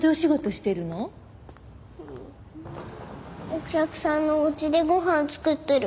お客さんのお家でご飯作ってる。